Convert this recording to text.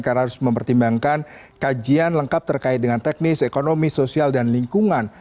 karena harus mempertimbangkan kajian lengkap terkait dengan teknis ekonomi sosial dan lingkungan